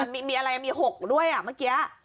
มีอะไรมี๖ด้วยเมื่อกี้